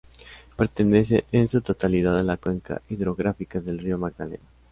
Pertenece en su totalidad a la cuenca hidrográfica del río Magdalena.